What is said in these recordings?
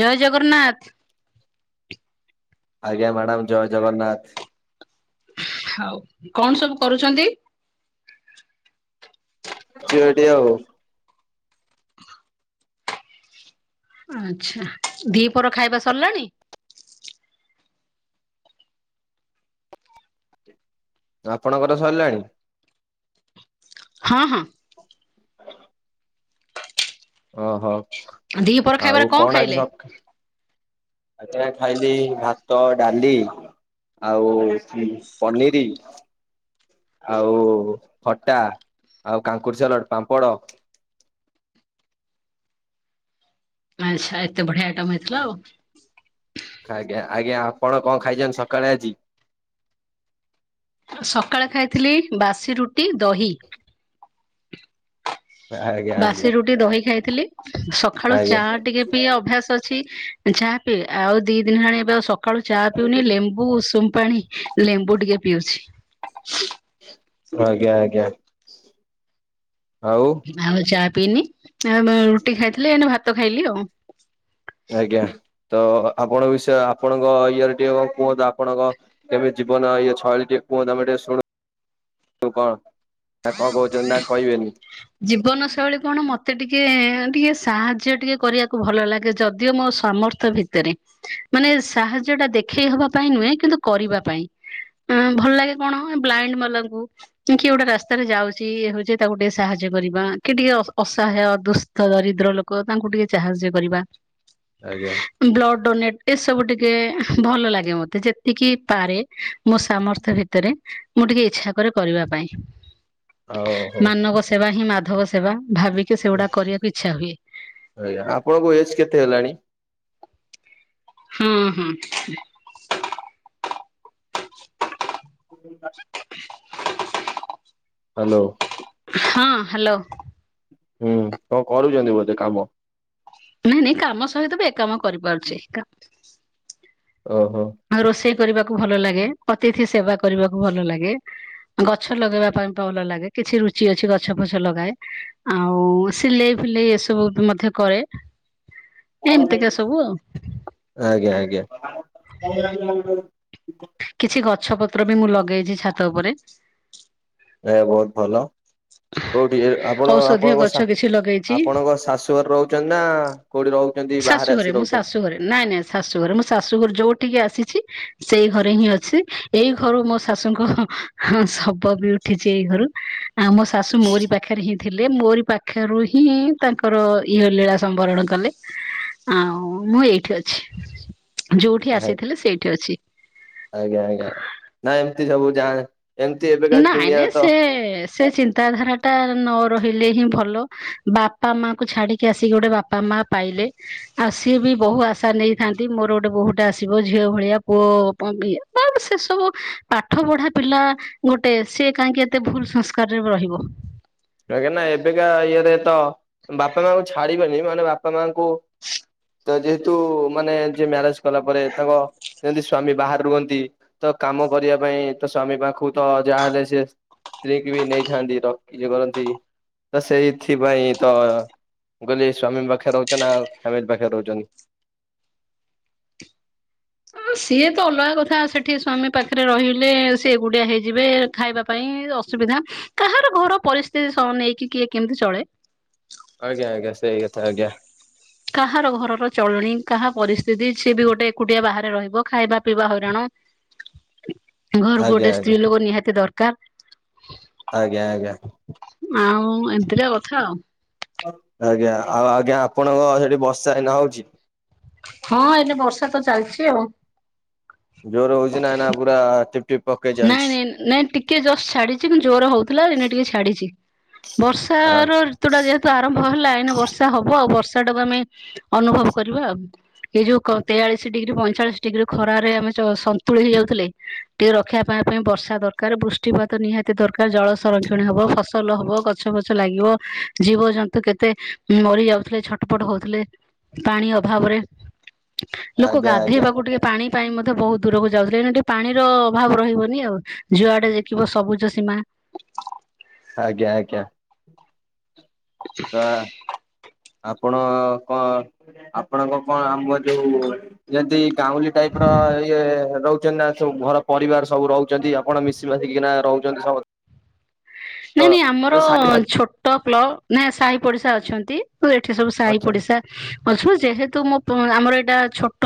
ଜୟ ଜଗରନ୍ନାଥ୍। ଆଜ୍ଞା ମ୍ୟାଡ଼ାମ୍ ଜୟ ଜଗନ୍ନାଥ୍। କଣ ସବୁ କରୁଚନ୍ତି? ଅଛି ଏଇଠି ଆଉ। ଆଚ୍ଛା ଦିପହର ଖାଇବା ସରିଲାଣି? ଆପଣଙ୍କର ସରିଲାଣି? ହଁ। ଓହୋ ଦିପହର ଖାଇବାରେ ଆଉ କଣ ଖାଇଲେ? ଆଜି ସକ୍ [unintelligible] ଖାଇଲି ଭାତ, ଡାଲି ଆଉ ଏଠି ପନିରି ଆଉ ଖଟା, ଆଉ କାଙ୍କୁଡି ସାଲଟ୍, ପାମ୍ପଡ଼। ଆଚ୍ଛା ଏତେ ବଢିଆ ଆଇଟମ୍ ହେଇଥିଲା ଆଉ। ଆଜ୍ଞା-ଆଜ୍ଞା ଆପଣ କଣ ଖାଇଚନ୍ତି ସକାଳେ ଆଜି? ସକାଳେ ଖାଇଥିଲି ବାସି ରୁଟି ଦହି। ଆଜ୍ଞା ଆଜ୍ଞା ବାସି ରୁଟି ଦହି ଖାଇଥିଲି, ସଖାଳୁ ଆଜ୍ଞା ଚା ଟିକେ ପିଇଆ ଅଭ୍ୟାସ ଛି ଚା ପିଏ, ଆଉ ଦି ଦିନି ହେଲାଣି ଏବେ ଆଉ ସକାଳୁ ଚା ପିଉନି ଲେମ୍ବୁ ଉଷୁମ୍ ପାଣି ଲେମ୍ବୁ ଟିକେ ପିଉଚି। ଆଜ୍ଞା-ଆଜ୍ଞା, ଆଉ ଆଉ ଚା ପିଇନି, ଆ ବେଏଁ ରୁଟି ଖାଇଥିଲି ଏଇନେ ଭାତ ଖାଇଲି ଆଉ। ଆଜ୍ଞା ତ ଆପଣଙ୍କ ବିଷୟ ଆପଣଙ୍କ ଇଏରେ ଟିକେ କଣ କୁହନ୍ତୁ, ଆପଣଙ୍କ କେବେ ଜୀବନ ଇଏ ଛଇଳି ଟିକେ କୁହନ୍ତୁ ଆମେ ଟିକେ ଶୁଣୁ [unintelligible] କଣ ନା କଣ କଉଚନ୍ତି ନା କଇବେନି। ଜୀବନ ଶୈଳୀ କଣ ମତେ ଟିକେ-ଟିକେ ସାହାର୍ଯ୍ୟ ଟିକେ କରିଆକୁ ଭଲ ଲାଗେ, ଯଦିଓ ମୋ ସାମ [unintelligible] ଭିତରେ ମାନେ ସାହାର୍ଯ୍ୟଟା ଦେଖେଇ ହବା ପାଇଁ ନୁଏଁ କିନ୍ତୁ କରିବା ପାଇଁ। ଆଁ ଭଲ୍ ଲାଗେ କଣ ବ୍ଲାଇଣ୍ଡ୍ ମାଲାଙ୍କୁ କି କିଏ ଗୋଟେ ତାର ଯାଉଚି ଇଏ ହଉଚି ତାକୁ ଟିକେ ସାହାର୍ଯ୍ୟ କରିବା କି ଟିକେ ଅସ ଅସହାୟ ଦୁସ୍ଥ ଦରିଦ୍ର କ ତାଙ୍କୁ ଟିକେ ଚାହାର୍ଯ୍ୟ କରିବା। ଆଜ୍ଞା। ବ୍ଲଡ ଡୋନେଟ୍ ଏସବୁ ଟିକେ ହୁଁ ଭଲ ଲାଗେ ମତେ ଯେତିକି ପାରେ ମୋ ସାମର୍ଥ୍ୟ ଭିତେରେ ମୁଁ ଟିକେ ଇଚ୍ଛା କରେ କରିବା ପାଇଁ। ଓହୋ ମାନବ ସେବା ହିଁ ମାଧବ ସେବା ଭାବିକି ସେଗୁଡା କରିଆକୁ ଇଚ୍ଛା ହୁଏ। ଆଜ୍ଞା, ଆପଣଙ୍କୁ ଏଜ୍ କେତେ ହେଲାଣି? ହୁଁ-ହୁଁ। [unintelligible] ହାଲୋ। ହଁ, ହାଲୋ। ହୁଁ, କଅଁ କରୁଚନ୍ତି ବୋଧେ କାମ? ନାଇଁ-ନାଇଁ କାମ ସହିତ ବି ଏକ କାମ କରିପାରୁଚି। ଓହୋ। ଆଉ ରୋଷେଇ କରିବାକୁ ଭଲ ଲାଗେ, ଅତିଥି ସେବା କରିବାକୁ ଭଲ ଲାଗେ। ଗଛ ଲଗେଇବା ପାଇଁ ତ ଭଲ ଲାଗେ, କିଛି ରୁଚି ଅଛି ଗଛ ଫଛ ଲଗାଏ। ଆଉ ସିଲେଇ ଫିଲେଇ ଏସବୁ ମଧ୍ୟ କରେ। ଏମିତିକା ସବୁ ଆଉ ଆଜ୍ଞା ଆଜ୍ଞା। କିଛି ଗଛ ପତ୍ରବି ମୁଁ ଲଗେଇଚି ଛାତ ଉପରେ ଏ ବହୁତ୍ ଭଲ କୋଉଠି ଆପଣ ଔଷଧୀୟ ଆପଣଙ୍କ ଗଛ ସା କିଛି ଲଗେଇଛି ଆପଣଙ୍କ ଶାଶୁଘରେ ରହୁଚନ୍ତିନା କୋଉଠି ରହୁଚନ୍ତି ବାହାରେ ଶାଶୁଘରେ ଆସି ମୁଁ ରହୁଚନ୍ତି? ଶାଶୁଘରେ ନାଇଁ ନାଇଁ ଶାଶୁଘରେ ମୁଁ ଶାଶୁଘରେ ଯୋଉଠିକି ଆସିଚି ସେଇ ଘରେହିଁ ଅଛି ଏଇ ଘରୁ ମୋ ଶାଶୁଙ୍କ ଶବବି ଉଠିଚି ଏଇ ଘରୁ ଆମ ଶାଶୁ ମୋରି ପାଖରେହିଁ ଥିଲେ ମୋରି ପାଖରୁ ହିଁ ତାଙ୍କର ଇଏ ଲୀଳା ସମ୍ବରଣ କଲେ। ଆଉ ମୁଁ ଏଇଠି ଅଛି ଯୋଉଠି ଆସିଥିଲି ସେଇଠି ଅଛି। ଆଜ୍ଞା ଆଜ୍ଞା ନା ଏମିତି ସବୁ ଯା ଏମିତି ଏବେ ନାଇଁ ନାଇଁ ସେ ସେ ଚିନ୍ତାଧାରାଟା ନ ରହିଲେହିଁ ଭଲ ବାପା ମାକୁ ଛାଡ଼ିକି ଆସିକି ଗୋଟେ ବାପା ବାପା ମା ପାଇଲେ ଆଉ ସିଏବି ବହୁ ଆଶା ନେଇଥାନ୍ତି ମୋର ଗୋଟେ ବହୁଟେ ଆସିବ ଝିଅ ଭଳିଆ ଓ ମାନେ ସେସବୁ ପାଠ ପଢା ପିଲା ଗୋଟେ ସିଏ କାହିଁକି ଏତେ ଭୁଲ ସଂସ୍କାରରେ ରହିବ ଆଜ୍ଞା ଏବେକା ଇଏରେତ ବାପା ମାଙ୍କୁ ଛାଡ଼ିବେନି ମାନେ ବାପା ମାଙ୍କୁ ତ ଯେହେତୁ ମାନେ ଯିଏ ମ୍ୟାରେଜ କଲା ପରେ ତାଙ୍କ ଯେମିତି ସ୍ଵାମୀ ବାହାରେ ରୁହନ୍ତି ତକାମ କରିବା ପାଇଁ ତସ୍ଵାମୀ ପାଖକୁ ତଯାହାହେଲେ ସେ ସ୍ତ୍ରୀକିବି ନେଇଥାନ୍ତି ର [unintelligible] କରନ୍ତି ତସେଇଥିପାଇଁତ ମୁଁ କହିଲି ସ୍ୱାମୀ ପାଖରେ ରହୁଚନ୍ତି ଆଉ ଫ୍ୟାମିଲି ପାଖରେ ରହୁଚନ୍ତି? ସିଏତ ଅଲଗା କଥା ସେଠି ସ୍ଵାମୀ ପାଖରେ ରହିଲେ ସିଏ ଏକୁଟିଆ ହେଇଯିବେ ଖାଇବା ପାଇଁ ଅସୁବିଧା କାହାର ଘର ପରିସ୍ଥିତି ନେଇକି କିଏ କେମିତି ଚଳେ ଆଜ୍ଞା ଆଜ୍ଞା ସେଇକଥା ଆଜ୍ଞା। କାହାର ଘରର ଚଳଣି କାହା ପରିସ୍ଥିତି ସିଏବି ଗୋଟେ ଏକୁଟିଆ ବାହାରେ ରହିବ ଖାଇବା ପିଇବା ହଇରାଣ ଘରକୁ ଆଜ୍ଞା ଗୋଟେ ଆଜ୍ଞା ସ୍ତ୍ରୀଲୋକ ନିହାତି ଦରକାର୍ ଆଜ୍ଞା ଆଜ୍ଞା। ଏମିତିକା କଥା ଆଉ। ଆଜ୍ଞା ଆଉ ଆଜ୍ଞା ଆପଣଙ୍କ ସେଠି ବର୍ଷା ଏଇନା ହଉଚି? ହଁ ଏଇନେ ବର୍ଷାତ ଚାଲିଚି ଆଉ। ଜୋରେ ହଉଚିନା ନା ପୁରା ଟିପ୍ ଟିପ୍ ପକେଇ ନାଇଁ ଚାଲିଛି। ନାଇଁ ନାଇଁ ଟିକେ ଜଷ୍ଟ ଛାଡ଼ିଚି କିନ୍ତୁ ଜୋରେ ହଉଥିଲା ଏଇନେ ଟିକେ ଛାଡ଼ିଚି। ହଁ ବର୍ଷାର ଋତୁଟା ଯେହେତୁ ତ ଆରମ୍ଭ ହେଲା ଏଇନା ବର୍ଷା ହବ ଆଉ ବର୍ଷା ଟାକୁ ଆମେ ଅନୁଭବ କରିବା ଆଉ। ଏଇ ଯୋଉ ତେୟାଳିଶି ଡିଗ୍ରୀ ପଇଁଚାଳିଶି ଡିଗ୍ରୀ ଖରାରେ ଆମେ ପୋଡ଼ି ହେଇଯାଉଥିଲେ ଟିକେ ରକ୍ଷା ପାଇବା ପାଇଁ ବର୍ଷା ଦରକାର୍ ବୁ ବୄଷ୍ଟିପାତ ନିହାତି ଦରକାର୍ ଜଳ ସଂରକ୍ଷଣ ହବ ଫସଲ ହବ ଗ ଗଛ ପଛ ଲାଗିବ ଜୀବଜନ୍ତୁ କେତେ ମରି ଯାଉଥିଲେ ଛଟପଟ ହଉଥିଲେ ପାଣି ଅଭାବରେ ଲୋକ ଆଜ୍ଞା ଆଜ୍ଞା ଗାଧୋଇବାକୁ ଟିକେ ପାଣି ପାଇଁ ମଧ୍ୟ ବହୁତ୍ ଦୂରକୁ ଯାଉଥିଲେ ଏଇନା ଟିକେ ପାଣିର ଅଭାବ ରହି ବନି ଆଉ ଜୁଆଡ଼େ ଦେଖିବ ସବୁଜ ସୀମା ଆଜ୍ଞା ଆଜ୍ଞା। ତ ଆପଣ କଁ ଆପଣଙ୍କ କଁ ଆମ ଯୋଉ ଯେମିତି ଗାଉଁଲି ଟାଇପର ଇଏ ରହୁଚନ୍ତିନା ସବୁ ଘର ପରିବାର ସବୁ ରହୁଚନ୍ତି ଆ ଆପଣ ମିଶିମାଶିକିନା ରହୁଚନ୍ତି ସମେ ନାଇଁ ନାଇଁ ଆମର ଅଛନ୍ତି ଛୋଟ ପ୍ଲ ନା ସାହି ପଡିଶା ଅଛନ୍ତି। ଆଉ ଏଠି ସବୁ ସାହି ପଡିଶା ଅଛୁ। ଯେହେତୁ ମୋ ଆମର ଏଟା ଛୋଟ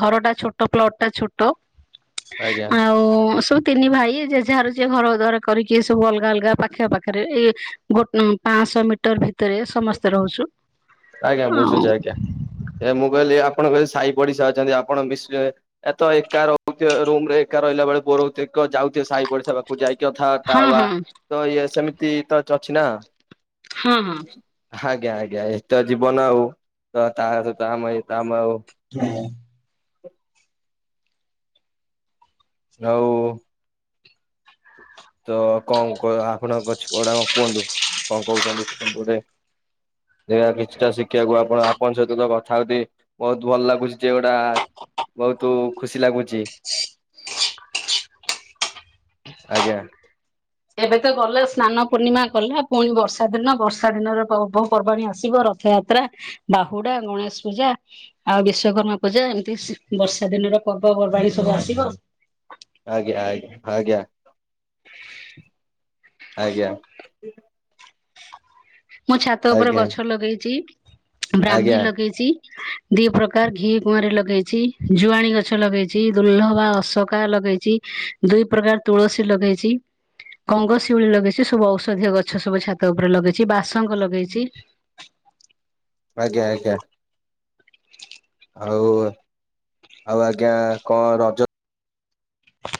ଘରଟା ଛୋଟ ପ୍ଲଟ ଟା ଛୋଟ। ଆଜ୍ଞା ଆଉ ସବୁ ତିନି ଭାଇ ଜେଝାର ଯିଏ ଘର ଦ୍ୱାର କରିକି ସବୁ ଅଲଗା ଅଲଗା ଗାଁ ପାଖିଆପାଖରେ ଏଇ ଗୋ ପାଞ୍ଚଶହ ମିଟର ଭିତରେ ସମସ୍ତେ ରହୁଛୁ। ଆଜ୍ଞା ଆଉ ବୁଝୁଛି ଆଜ୍ଞା ଯେ ମୁଁ କହିଲି ଆପଣ କହିଲେ ସାହି ପଡିଶା ଅଛନ୍ତି ଆପଣ ମିଶୁଚନ୍ତି। ଏଟା ତ ଏକା ରହୁଥିବେ ରୁମରେ ଏକା ରହିଲା ବେଳ [unintelligible] ଏକା ରହିଲେ ଯାଉଥିବେ ସାହି ପଡିଶା ପା ଓ ଯାଇକି ଅଥାବାର୍ତ୍ତା ହଁ ହବା ହଁ ତ ଇଏ ସେମିତି ତ ଚ ଅଛି ନା। ହଁ ହଁ। ଆଜ୍ଞା ଆଜ୍ଞା ଏଇତ ଜୀବନ ଆଉ ତ ତା ସହିତ ଆମେ ଏ ତ ଆମ ଆଉ ହ [unintelligible] ହ [unintelligible] ସେଇରା କିଛିଟା ଶିଖିବାକୁ ଆପଣ ଆପଣଙ୍କ ସହିତ ତ କଥା ହୁଅନ୍ତି। ବୋହୁତୁ ଭଲ ଲାଗୁଚି ଯୋଉଡା ବୋହୁତୁ ଖୁସି ଲାଗୁଛି। ଆଜ୍ଞା। ଏବେ ତ ଗଲେ ସ୍ନାନ ପୂର୍ଣ୍ଣିମା କଲେ ପୁଣି ବର୍ଷା ଦିନ ବର୍ଷା ଦିନରେ ପର୍ବପର୍ବାଣି ଆସିବ ର ରଥଯାତ୍ରା ବାହୁଡା ଗଣେଶ ପୂଜା ଆଉ ବିଶ୍ଵକର୍ମା ପୂଜା ଏମିତି ବର୍ଷା ଦିନର ପର୍ବପର୍ବାଣିୀ ସବୁ ଆସିବ। ଆଜ୍ଞା ଆଜ୍ଞା ଆଜ୍ଞା। ଆଜ୍ଞା। ମୁଁ ଛାତ ଉପରେ ଆଜ୍ଞା ଗଛ ଲଗେଇଚି ବ୍ରାହ୍ମୀ ଆଜ୍ଞା ଲଗେଇଚି। ଦି ପ୍ରକାର ଘି କୁଆଁରୀ ଲଗେଇଛି ଜୁଆଣି ଗଛ ଲଗେଇଚି ଦୁଲ୍ଲ ବା ଅଶୋକା ଲଗେଇଚି। ଦୁଇ ପ୍ରକାର ତୁଳସୀ ଲଗେଇଚି। ଗଙ୍ଗଶିଉଳି ଲଗେଇଛି ସବୁ ଔଷଧୀୟ ଗଛ ସବୁ ଛାତ ଉପରେ ଲଗେଇଛି ବାସଙ୍ଗ ଲଗେଇଛି। ଆଜ୍ଞା ଆଜ୍ଞା। ଆଉ ଆଉ ଆଜ୍ଞା କଣ ରଜ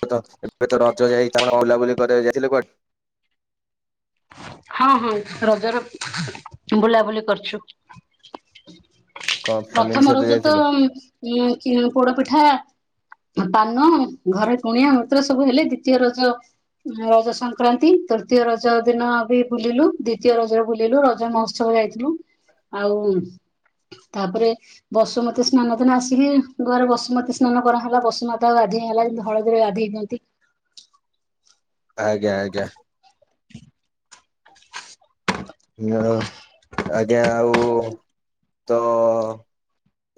[unintelligible] ଏବେ ତ ରଜ ଯାଇ [unintelligible] ବୁଲାବୁଲି କରିବାକୁ ଯାଇଥିଲେ କୁଆଡେ? ହଁ ହଁ ରଜର ବୁଲାବୁଲି କରିଛୁ। କଣ ଫ୍ୟାମିଲି ପ୍ରଥମ ସହିତ ରଜ ତ ଯାଇଥିଲେ? ଉଁ ଉଁ ପୋଡ ପିଠା। ପାନ ଘରେ କୁଣିଆ ମୈତ୍ର ସବୁ ହେଲେ ଦ୍ଵିତୀୟ ରଜ ରଜ ସଂକ୍ରାନ୍ତି ତୃତୀୟ ରଜ ଦିନ ବି ବୁଲିଲୁ ଦ୍ଵିତୀୟ ରଜରେ ବୁଲିଲୁ ରଜ ମହୋତ୍ସବ ଯାଇଥିଲୁ। ଆଉ ତାପରେ ବସୁମତୀ ସ୍ନାନ ଦିନ ଆସିକି ଘରେ ବସୁମତୀ ସ୍ନାନ କରାହେଲା ବସୁମାତା ଗାଧିଆ ହେଲା। ହଳଦୀରେ ଗାଧେଇ ଦିଅନ୍ତି। ଆଜ୍ଞା ଆଜ୍ଞା। ହଁ ଆଜ୍ଞା ଆଉ ତ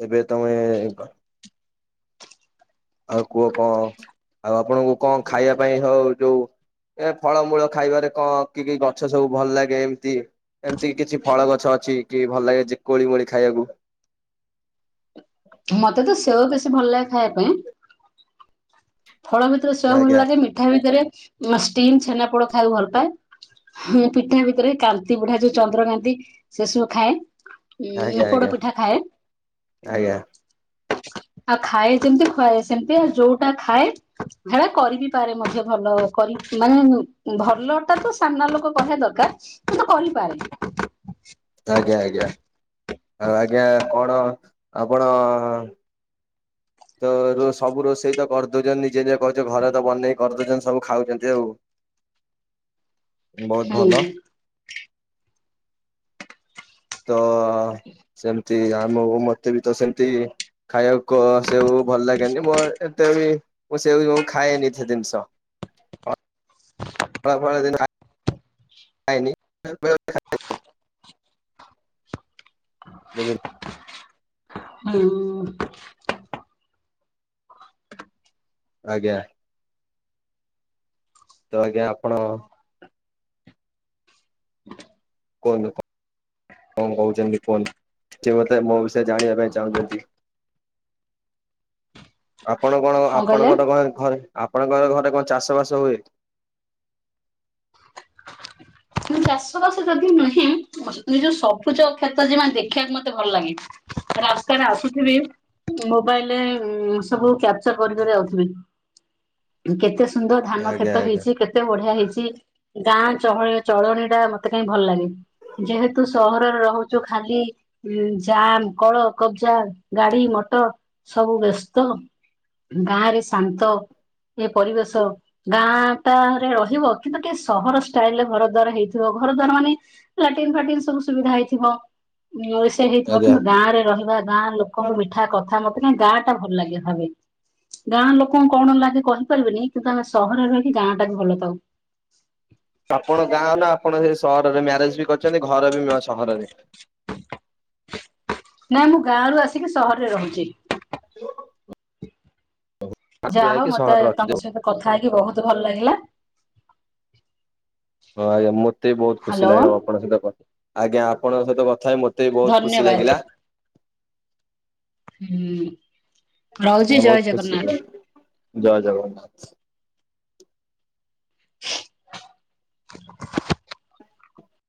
ଏବେ ତମେ ଆଉ କୁହ କଣ ଆଉ ଆପଣଙ୍କୁ କଣ ଖାଇବା ପାଇଁ ହଉ ଯୋଉ ଏ ଫଳମୂଳ ଖାଇବାରେ କଣ କି କି ଗଛ ସବୁ ଭଲ ଲାଗେ ଏମିତି? ଏମିତି କି କିଛି ଫଳ ଗଛ ଅଛି କି ଭଲ ଲାଗେ ଯେ କୋଳି ମୋଳି ଖାଇବାକୁ? ମତେ ତ ସେଓ ବେଶୀ ଭଲ ଲାଗେ ଖାଇବା ପାଇଁ। ଫଳ ଭିତରେ ସେଓ ଭଲ ଆଜ୍ଞା ଲାଗେ, ମିଠା ଭିତରେ ଷ୍ଟିମ୍ ଛେନାପୋଡ ଖାଇବାକୁ ଭଲ ପାଏ। ହ ପିଠା ଭିତରେ କାନ୍ତି ପିଢା, ଯୋଉ ଚନ୍ଦ୍ରକାନ୍ତି ସେ ସବୁ ଖାଏ। ଉଁ ଆଜ୍ଞା ଉଁ ଆଜ୍ଞା ପୋଡପିଠା ଖାଏ। ଆଜ୍ଞା ଆଉ ଖାଏ ଯେମିତି, ଖୁଆଏ ସେମତି, ଆଉ ଯୋଉଟା ଖାଏ ହେରା କରିିବି ପାରେ ମଧ୍ୟ ଭଲ କରି, ମାନେ ଭଲ ଟା ତ ସାମ୍ନା ଲୋକ କହିବା ଦରକାର କିନ୍ତୁ କରିପାରେ। ଆଜ୍ଞା ଆଜ୍ଞା, ଆଉ ଆଜ୍ଞା କଣ ଆପଣ [unintelligible] ତ ର ସବୁ ରୋଷେଇ ତ କରିଦଉଚନ୍ତି, ନିଜେ ନିଜେ କହୁଛ ଘରେ ତ ବନେଇ କରିଦଉଚନ୍ତି, ସବୁ ଖାଉଛନ୍ତି ଆଉ। [unintelligible] ବହୁତ୍ ଭଲ। ହୁଁ ତ ସେମିତି ଆମକୁ ମତେ ବିତ ସେମିତି ଖାଇବାକୁ କ ସେଉ ଭଲ ଲାଗେନି, ମୋ ଏତେ ବି ମୁଁ ସେଉ ଖାଏନି ସେ ଜିନିଷ, କମଳା ଫମଳା ଯେମିତି ଖାଏ ଖାଏନି, ବେଳେବେଳେ ଖାଏ। ବୁଝିଲୁ? ହଁ ଅଁ। ଆଜ୍ଞା। ତ ଆଜ୍ଞା ଆପଣ କୁହନ୍ତୁ କଣ୍ କଣ କହୁଚନ୍ତି କୁହନ୍ତୁ, କି ମୋତେ ମୋ ବିଷୟରେ ଜାଣିବା ପାଇଁ ଚାହୁଁଚନ୍ତି? [inaudible] ଆପଣ କଣ, ଆପଣଙ୍କର ଘରେ, ଆପଣଙ୍କର ଘରେ କଣ ଚାଷ ବାସ ହୁଏ? ଚାଷ ବାସ ଯଦି ନୁହେଁ, ନିଜ ସବୁଜ କ୍ଷେତ ଜିମା ଦେଖିବାକୁ ମତେ ଭଲ ଲାଗେ। ରାସ୍ତାରେ ଆସୁଥିବି, ମୋବାଇଲ୍ ରେ ସବୁ କ୍ୟାପଚର୍ କରିିକରି ଆସୁଥିବି। କେତେ ସୁନ୍ଦର ଧାନ ଆଜ୍ଞା କ୍ଷେତ ଆଜ୍ଞା ହେଇଚି, କେତେ ବଢିଆ ହେଇଚି, ଗାଁ ଚହଳ ଚଳଣି ଟା ମତେ କାହିଁ ଭଲ ଲାଗେ, ଯେହେତୁ ସହରରେ ରହୁଚୁ ଖାଲି ଉଁ ଜାମ୍ କଳ କବ୍ ଜା ଗାଡି ମଟର୍ ସବୁ ବ୍ୟସ୍ତ, ଗାଁରେ ଶାନ୍ତ ଏ ପରିବେଶ, ଗାଁ ଟାରେ ରହିବ କିନ୍ତୁ ଟିକେ ସହର ଷ୍ଟାଇଲ୍ ରେ ଘର ଘର ଦ୍ଵାର ହେଇଥିବ, ଘର ଦ୍ବାର ମାନେ ଲାଟିନ୍‌ ଫାଟିନ୍‌ ସବୁ ସୁବିଧା ହେଇଥିବ, ଏ ସେ ସୁବିଧା ହେଇଥିବ ଆଜ୍ଞା କିନ୍ତୁ ଗାଁ ରେ ରହିବା, ଗାଁ ଲୋକଙ୍କୁ ମିଠା କଥା, ମତେ କାହିଁ ଗାଁ ଟା ଭଲ ଲାଗେ ଭାବେ। ଗାଁ ଲୋକଙ୍କୁ କଣ ଲାଗେ କହିପାରିବେନି କିନ୍ତୁ ଆମେ ସହରରେ ରହିକି ଗାଁ ଟା କୁ ଭଲ ପାଉ। ଆପଣ ଗାଁ ନା ଆପଣ ସେ ସହରରେ ମ୍ୟାରେଜ୍ ବି କରିଚନ୍ତି, ଘର ବି ସହରରେ। ନାଇଁ ମୁଁ ଗାଁ ରୁ ଆସିକି ସହରରେ ରହୁଚି। ହାଲୋ। ଯାହାହଉ ମତେ ସହରରେ ଅଛନ୍ତି। ତମ ସହିତ କଥା ହେଇକି ବହୁତ ଭଲ ଲାଗିଲା। ହଁ ଆଜ୍ଞା, ମତେ ବି ବହୁତ ଖୁସି ହ୍ୟାଲୋ ଲାଗିଲା, ଆପଣଙ୍କ ସହିତ କ, ଆଜ୍ଞା ଆପଣଙ୍କ ସହିତ କଥା ହେଇ ମତ୍ ମତେ ବି ବହୁତ୍ ଖୁସି ଧନ୍ୟବାଦ ଲାଗିଲା। ହୁଁ, ରହୁଚି, ଜୟ ବହୁତ ଖୁସି ଜଗନ୍ନାଥ। ଜୟ ଜଗନ୍ନାଥ। [unintelligible]